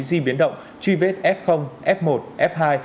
di biến động truy vết f f một f hai